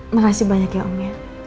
makasih banyak ya om ya